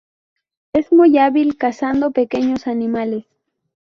Es muy hábil cazando pequeños animales.